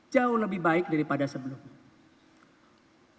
jauh lebih baik daripada sebelumnya